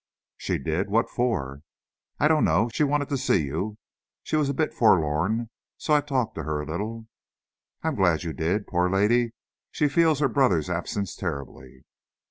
"She did! What for?" "I don't know. She wanted to see you. She was a bit forlorn, so I talked to her a little." "I'm glad you did. Poor lady, she feels her brother's absence terribly."